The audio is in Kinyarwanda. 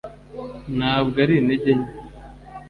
ntabwo ari intege nke